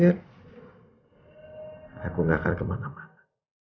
aku nggak akan kemana mana